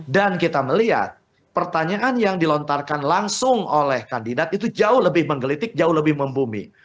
dan kita melihat pertanyaan yang dilontarkan langsung oleh kandidat itu jauh lebih menggelitik jauh lebih membumi